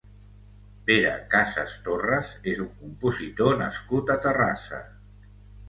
Pere Casas Torres és un compositor nascut a Terrassa.